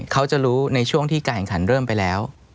เขาจะรู้ในช่วงที่การแข่งขันเริ่มไปแล้ว